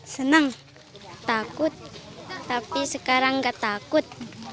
senang takut tapi sekarang nggak takut